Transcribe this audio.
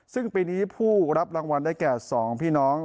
ซึ่งปีนี้ผู้รับรางวัลได้แก่๒พี่น้อง